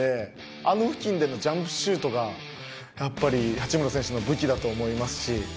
あの付近でのジャンプシュートがやっぱり八村選手の武器だと思いますし。